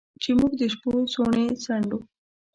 چې موږ د شپو څوڼې څنډو